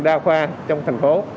đa khoa trong thành phố